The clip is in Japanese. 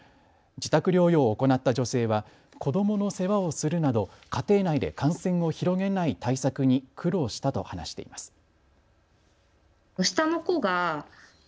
自宅療養を行った女性は子どもの世話をするなど、家庭内で感染を広げない対策に苦労したと話しています。